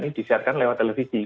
ini disiarkan lewat televisi